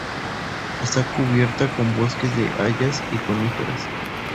Está cubierta con bosques de hayas y coníferas.